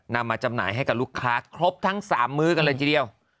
มาจำหน่ายให้กับลูกค้าครบทั้ง๓มื้อกันเลยทีเดียว